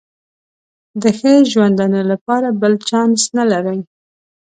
د ښه ژوندانه لپاره بل چانس نه لري.